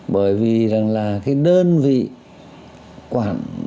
bởi vì đơn vị đầu tư xây dựng